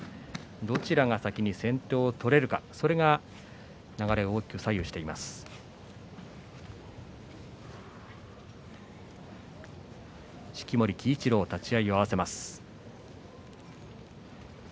どちらが先に先手を取れるかそれが流れを大きく左右しています。